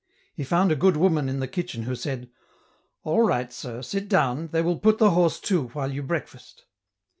He found a good woman in the kitchen who said, " All right, sir, sit down, they will put the horse to while you breakfast."